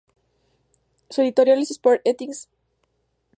Es editora de "Sports Ethics: An Anthology and Issues in Race and Gender".